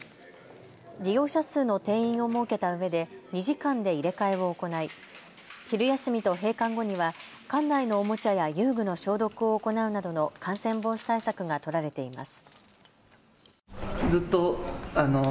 利用者数の定員を設けたうえで２時間で入れ替えを行い昼休みと閉館後には館内のおもちゃや遊具の消毒を行うなどの感染防止対策が取られています。